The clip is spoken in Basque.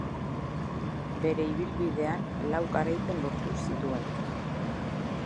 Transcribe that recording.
Bere ibilbidean lau garaipen lortu zituen.